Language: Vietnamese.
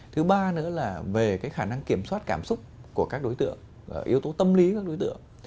thứ ba nữa là về khả năng kiểm soát cảm xúc của các đối tượng yếu tố tâm lý các đối tượng